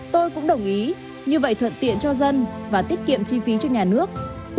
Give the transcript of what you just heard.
tôi cũng đồng ý như vậy thuận tiện cho dân và tiết kiệm chi phí cho nhà nước